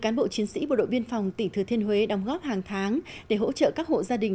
cán bộ chiến sĩ bộ đội biên phòng tỉnh thừa thiên huế đóng góp hàng tháng để hỗ trợ các hộ gia đình